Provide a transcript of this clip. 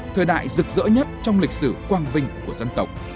thời đại rực rỡ nhất trong lịch sử quang vinh của dân tộc